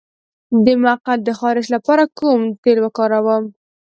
د مقعد د خارش لپاره کوم تېل وکاروم؟